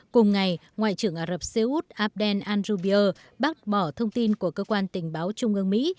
cùng ngày ngoại trưởng ả rập xê út abdel andubier bác bỏ thông tin của cơ quan tình báo trung ương mỹ